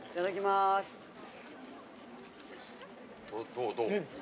どうどう？